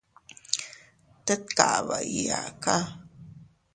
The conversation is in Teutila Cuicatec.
Tet kaba iyaaka.